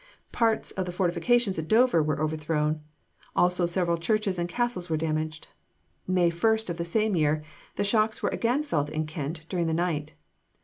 Parts of the fortifications at Dover were overthrown; also several churches and castles were damaged. May 1 of the same year the shocks were again felt in Kent, during the night.